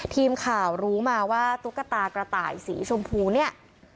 ทีมข่าวรู้มาว่าตุ๊กตากระต่ายสีชมพูเนี่ย